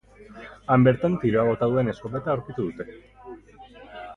Han bertan tiroa bota duen eskopeta aurkitu dute.